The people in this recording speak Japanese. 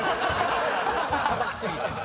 たたき過ぎて。